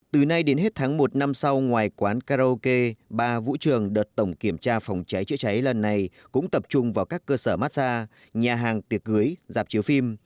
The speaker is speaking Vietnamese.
từ nay đến hết tháng một năm sau ngoài quán karaoke ba vũ trường đợt tổng kiểm tra phòng cháy chữa cháy lần này cũng tập trung vào các cơ sở massage nhà hàng tiệc cưới dạp chiếu phim